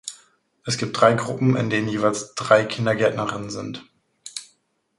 Es gibt drei Gruppen, in denen jeweils drei Kindergärtnerinnen sind.